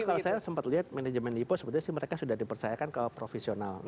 tapi kalau saya sempat lihat manajemen lipo sebetulnya sih mereka sudah dipercayakan ke profesional